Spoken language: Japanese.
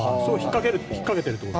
引っかけてるってこと？